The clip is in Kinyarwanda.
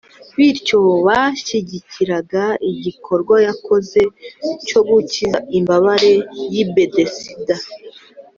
bityo bashyigikiraga igikorwa yakoze cyo gukiza imbabare y’i Betesida